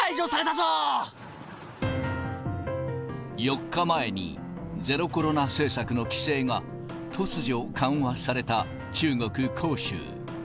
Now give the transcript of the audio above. ４日前に、ゼロコロナ政策の規制が突如、緩和された中国・広州。